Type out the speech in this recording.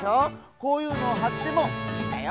こういうのをはってもいいんだよ。